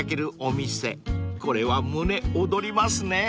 ［これは胸躍りますね］